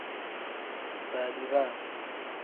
Badiraa.